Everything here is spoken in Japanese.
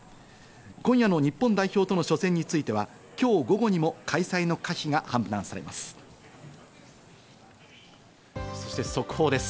今夜の日本代表との初戦については今日午後にも開催の可否が判断されます。